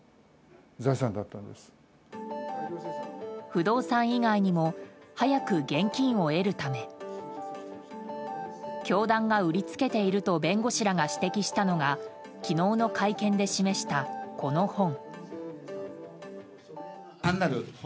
不動産以外にも早く現金を得るため教団が売りつけていると弁護士らが指摘したのが昨日の会見で示したこの本。